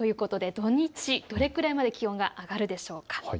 土日、どれくらいまで気温が上がるんでしょうか。